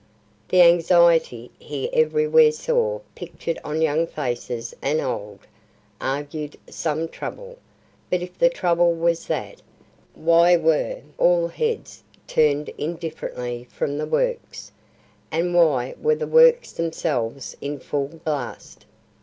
The anxiety he everywhere saw pictured on young faces and old, argued some trouble; but if the trouble was that, why were all heads turned indifferently from the Works, and why were the Works themselves in full blast?